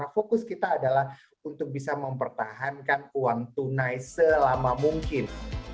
fokus kita adalah untuk bisa mempertahankan uang tunai selama mungkin